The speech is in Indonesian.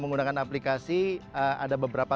menggunakan aplikasi ada beberapa